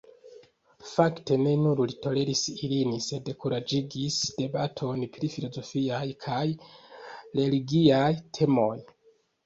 Fakte, ne nur li toleris ilin, sed kuraĝigis debaton pri filozofiaj kaj religiaj temoj.